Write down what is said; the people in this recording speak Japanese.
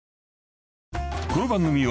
［この番組を］